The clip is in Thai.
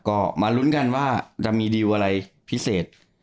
ก็มาลุ้นกันว่าจะมีดีลอะไรพิเศษ